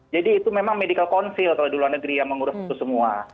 jadi itu memang medical council di luar negeri yang mengurus itu semua